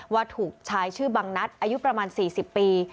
ว่าถูกชายชื่อบังนัดอายุประมาณ๔๐ปี